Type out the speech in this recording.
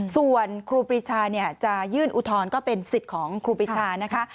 ส่วนครูปรีชาจะยื่นอุทธรณ์ก็เป็นสิทธิ์ของครูปีชานะคะ